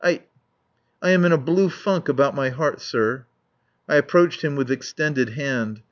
"I I am in a blue funk about my heart, sir." I approached him with extended hand.